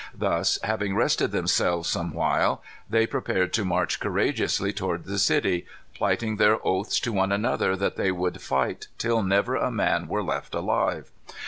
Thus, having rested themselves some while, they prepared to march courageously towards the city, plighting their oaths to one another that they would fight till never a man were left alive.